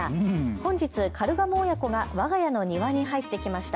本日カルガモ親子がわが家の庭に入ってきました。